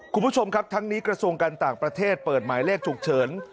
คุณผู้ชมครับทั้งนี้กระทรวงการต่างประเทศเปิดหมายเลขฉุกเฉิน